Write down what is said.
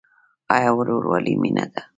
آیا ورورولي مینه ده؟